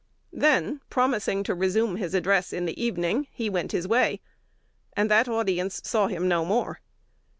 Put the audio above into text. Then, promising to resume his address in the evening, he went his way; and that audience "saw him no more."